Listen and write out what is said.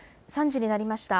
３時になりました。